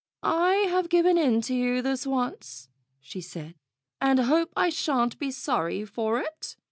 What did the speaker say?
"I have given in to you this once," she said, "and hope I shan't be sorry for it.